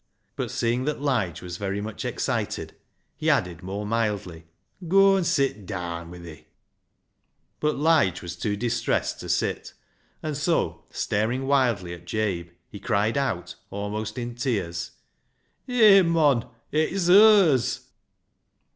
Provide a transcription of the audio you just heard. " But seeing that Lige was very much excited, he added more mildly —" Goa an' sit daan wi' thi," But Lige was too distressed to sit, and so, staring wildly at Jabe, he cried out, almost in tears —" Hey, mon, it's hers."